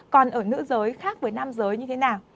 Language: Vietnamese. còn ở nữ giới khác với nam giới như thế nào